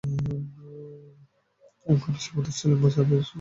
ঘনশ্যাম দাস ছিলেন চার ভাইয়ের মধ্যে সবচেয়ে সফল।